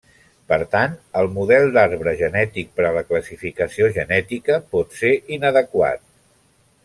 Per tant, el model d'arbre genètic per a la classificació genètica pot ser inadequat.